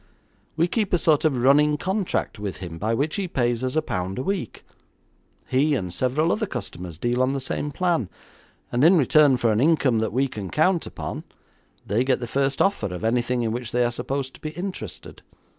We keep a sort of running contract with him by which he pays us a pound a week. He and several other customers deal on the same plan, and in return for an income that we can count upon, they get the first offer of anything in which they are supposed to be interested.